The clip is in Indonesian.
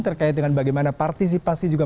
terkait dengan bagaimana partisipasi juga